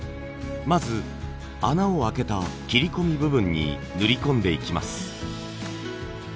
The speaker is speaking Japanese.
まず穴をあけた切り込み部分に塗り込んでいきます。